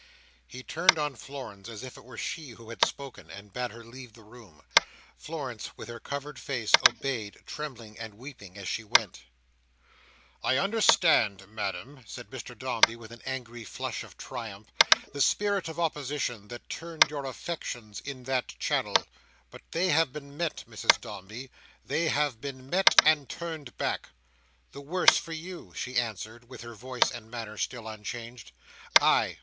He turned on Florence, as if it were she who had spoken, and bade her leave the room. Florence with her covered face obeyed, trembling and weeping as she went. "I understand, Madam," said Mr Dombey, with an angry flush of triumph, "the spirit of opposition that turned your affections in that channel, but they have been met, Mrs Dombey; they have been met, and turned back!" "The worse for you!" she answered, with her voice and manner still unchanged. "Ay!"